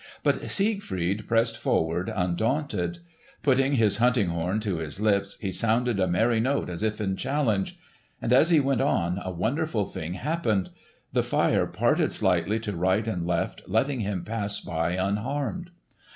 But Siegfried pressed forward undaunted. Putting his hunting horn to his lips he sounded a merry note as if in challenge. And as he went on, a wonderful thing happened. The fire parted slightly to right and left, letting him pass by unharmed.